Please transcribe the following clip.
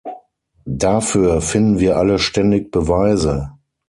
Dafür finden wir alle ständig Beweise.